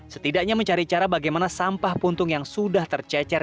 setidaknya mencari cara bagaimana sampah puntung yang sudah tercecer